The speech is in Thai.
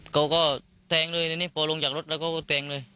เขาก็แทงเลยทีนี้พอลงจากรถแล้วเขาก็แทงเลย